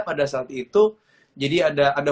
pada saat itu jadi ada